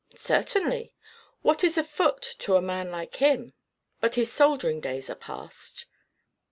"Certainly. What is a foot, to a man like him? But his soldiering days are past."